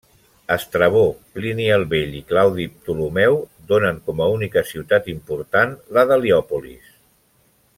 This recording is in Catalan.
Estrabó, Plini el Vell i Claudi Ptolemeu donen com a única ciutat important la d'Heliòpolis.